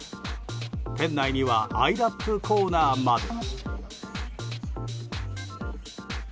店内にはアイラップコーナーまで。